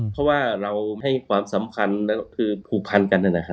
เพราะว่าเราให้ความสำคัญคือผูกพันกัน